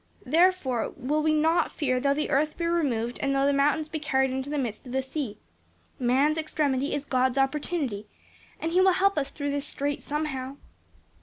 'Therefore will we not fear though the earth be removed and though the mountains be carried into the midst of the sea.' 'Man's extremity is God's opportunity,' and He will help us through this strait somehow."